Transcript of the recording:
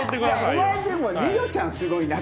お前でも璃乃ちゃんすごいな。